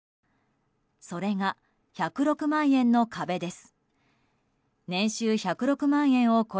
それが、１０６万円の壁です。